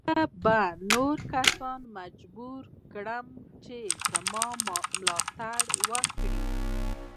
زه به نور کسان مجبور کړم چې زما ملاتړ وکړي.